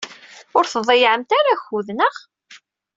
Ur tḍeyyɛemt ara akud, naɣ?